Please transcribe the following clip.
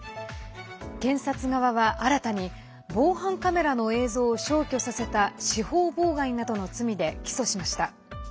検察側は新たに防犯カメラの映像を消去させた司法妨害などの罪で起訴しました。